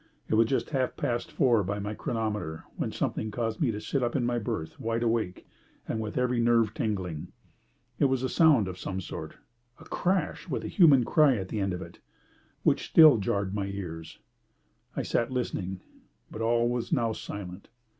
It was just half past four by my chronometer when something caused me to sit up in my berth wide awake and with every nerve tingling. It was a sound of some sort, a crash with a human cry at the end of it, which still jarred on my ears. I sat listening, but all was now silent.